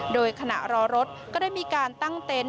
โดยขณะรอรถก็ได้มีการตั้งเต็นต์